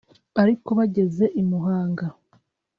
ariko bageze i Muhanga